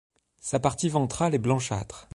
Sa partie ventrale est blanchâtre.